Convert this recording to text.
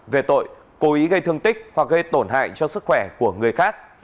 về tội cố ý gây thương tích hoặc gây tổn hại cho sức khỏe của người khác